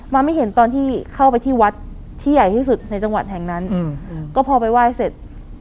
มาไม่เห็นตอนที่เข้าไปที่วัดที่ใหญ่ที่สุดในจังหวัดแห่งนั้นอืมก็พอไปไหว้เสร็จ